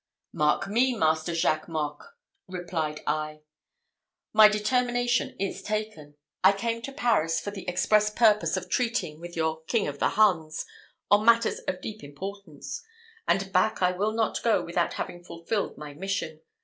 "Mark me, Master Jacques Mocque," replied I, "my determination is taken. I came to Paris for the express purpose of treating with your King of the Huns, on matters of deep importance; and back I will not go without having fulfilled my mission.